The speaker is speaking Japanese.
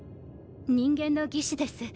人間の技師です